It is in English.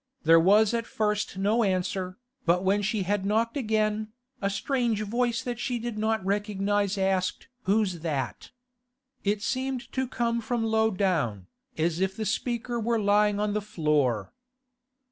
There was at first no answer, but when she had knocked again, a strange voice that she did not recognise asked 'Who's that?' It seemed to come from low down, as if the speaker were lying on the floor.